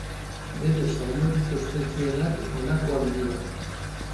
Bere saiorik ospetsuenak honakoak dira.